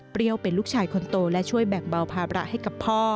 เป็นลูกชายคนโตและช่วยแบ่งเบาภาระให้กับพ่อ